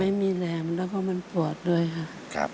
ไม่มีแรงแล้วก็มันปวดด้วยค่ะ